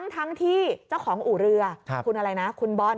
ทั้งที่เจ้าของอู่เรือคุณอะไรนะคุณบอล